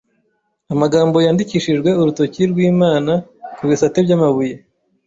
Amagambo yandikishijwe urutoki rw’Imana ku bisate by’amabuye